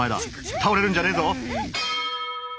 倒れるんじゃねえぞっ！